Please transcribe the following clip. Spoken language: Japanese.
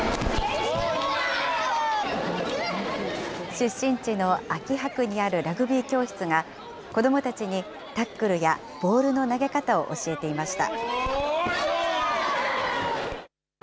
出身地の秋葉区にあるラグビー教室が、子どもたちにタックルやボールの投げ方を教えていました。